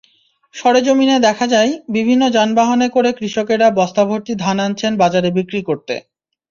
সরেজমিনে দেখা যায়, বিভিন্ন যানবাহনে করে কৃষকেরা বস্তাভর্তি ধান আনছেন বাজারে বিক্রি করতে।